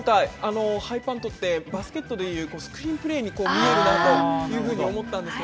ハイパントって、バスケットで言う、スクリーンプレーに見えるなというふうに思ったんですよ。